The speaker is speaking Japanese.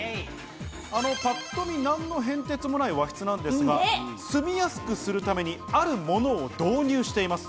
あのパッと見、何の変哲もない和室なんですが、住みやすくするためにあるものを導入しています。